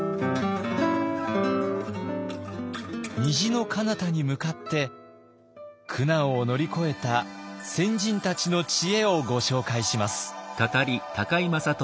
虹の彼方に向かって苦難を乗り越えた先人たちの知恵をご紹介します。